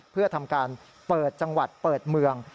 เพื่อทำการเปิดจังหวัดเปิดเมือง